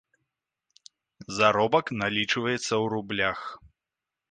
Заробак налічваецца ў рублях.